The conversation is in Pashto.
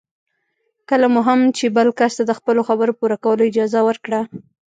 کله مو هم چې بل کس ته د خپلو خبرو پوره کولو اجازه ورکړه.